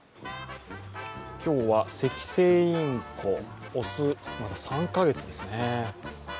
今日はセキセイインコ、雄、３か月ですね。